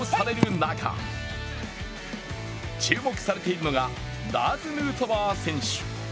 中注目されているのがラーズ・ヌートバー選手。